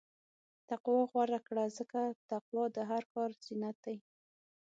تقوی غوره کړه، ځکه تقوی د هر کار زینت دی.